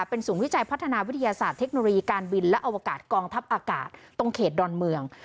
เป็นศูนย์วิจัยพัฒนาวิทยาศาสตร์เทคโนโลยีการบินและอวกาศกองทัพอากาศตรงเขตดอนเมือง